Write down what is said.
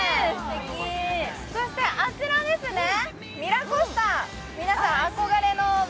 そしてあちらですね、ミラコスタ、皆さん憧れですね。